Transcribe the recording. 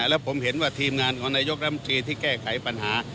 แล้วผมเห็นว่าทีมงานของนายกรัฐมนตรีที่แก้ไขปัญหา